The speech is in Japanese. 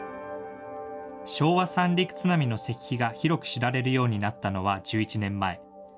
昭和三陸津波の石碑が広く知られるようになったのは１１年前。